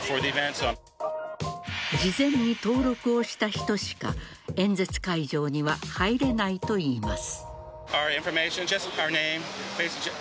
事前に登録をした人しか演説会場には入れないといいます。